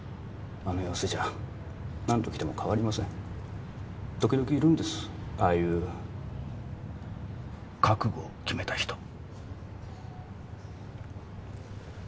あの様子じゃ何度来ても変わりません時々いるんですああいう覚悟を決めた人